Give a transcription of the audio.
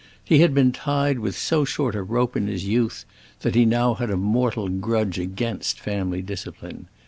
He had been tied with so short a rope in his youth that he had now a mortal grudge against family discipline.